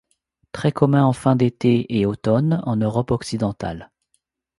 Très commun en fin d'été et automne en Europe occidentale.